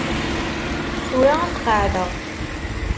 Tura ad t-qeɛɛdeɣ.